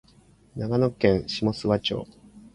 長野県下諏訪町